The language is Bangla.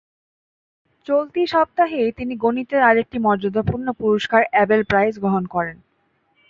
চলতি সপ্তাহেই তিনি গণিতের আরেকটি মর্যাদাপূর্ণ পুরস্কার অ্যাবেল প্রাইজ গ্রহণ করেন।